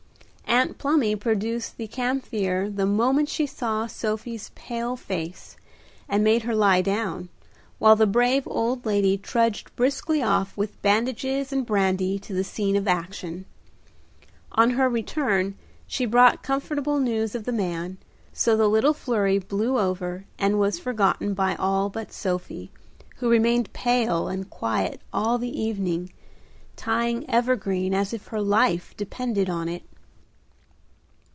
Aunt Plumy produced the "camphire" the moment she saw Sophie's pale face, and made her lie down, while the brave old lady trudged briskly off with bandages and brandy to the scene of action. On her return she brought comfortable news of the man, so the little flurry blew over and was forgotten by all but Sophie, who remained pale and quiet all the evening, tying evergreen as if her life depended on it.